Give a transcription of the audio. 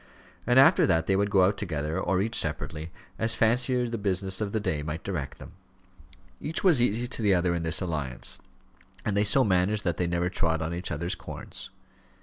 And after that they would go out together, or each separately, as fancy or the business of the day might direct them. Each was easy to the other in this alliance, and they so managed that they never trod on each other's corns.